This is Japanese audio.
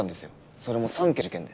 それも３件の事件で。